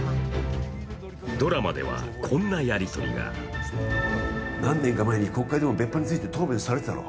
ドラマではこんなやり取りが何年か前に国会でも別班について答弁されているだろ。